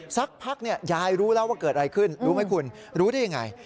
สักพักยายรู้แล้วว่าเกิดอะไรขึ้นรู้ไหมคุณรู้ได้ยังไง